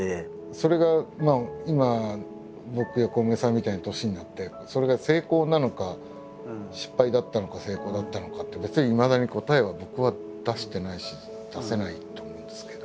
それが今僕やコウメさんみたいな年になってそれが成功なのか失敗だったのか成功だったのかって別にいまだに答えは僕は出してないし出せないと思うんですけど。